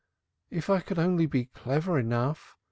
"If I could only be clever enough!"